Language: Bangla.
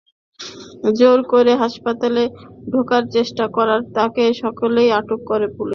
জোর করে হাসপাতালে ঢোকার চেষ্টা করায় তাঁকে সকালেই আটক করে পুলিশ।